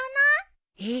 えっ？